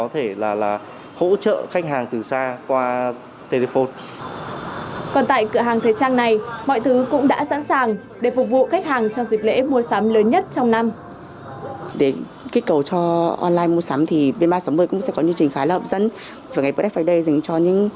để phục vụ khách hàng trong dịch lễ mua sắm lớn nhất trong năm